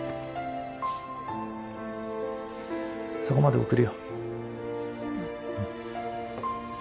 そこまで送るよ。